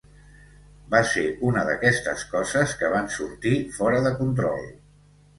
Va ser una d'aquestes coses que van sortir fora de control.